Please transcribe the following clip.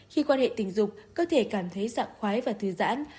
khi quan hệ tình dục cơ thể cảm thấy sạc khoái và thư giãn